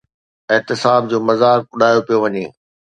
احتساب جو مذاق اڏايو پيو وڃي.